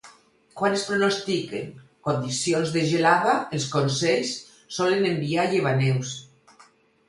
Quan es pronostiquen condicions de gelada, els consells solen enviar llevaneus.